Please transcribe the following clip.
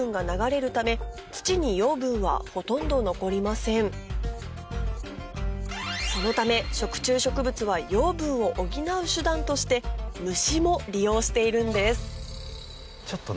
食虫植物が見られるそのため食虫植物は養分を補う手段として虫も利用しているんですちょっとね。